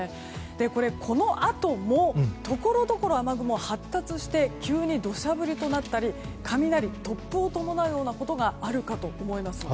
これこのあともところどころ雨雲が発達して急に土砂降りとなったり雷や突風を伴うことがあるかと思います。